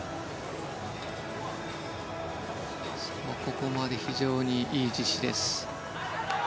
ここまで非常にいい実施です。